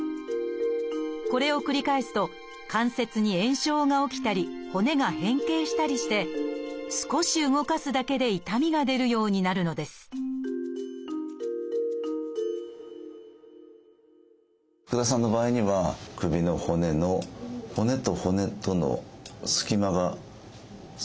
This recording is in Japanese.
これを繰り返すと関節に炎症が起きたり骨が変形したりして少し動かすだけで痛みが出るようになるのです福田さんの場合には首の骨の骨と骨との隙間が少し減ってきてます。